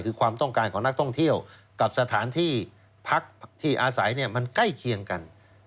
คือความต้องการของนักท่องเที่ยวกับสถานที่พักที่อาศัยมันใกล้เคียงกัน